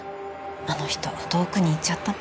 あの人遠くに行っちゃった。